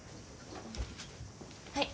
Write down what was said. はい。